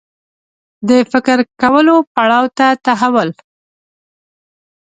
د فکر کولو پړاو ته تحول